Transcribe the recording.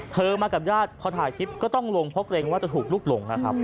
เธอมากับญาติพอถ่ายคลิปก็ต้องลงพกเร็งว่าจะถูกลุกหลง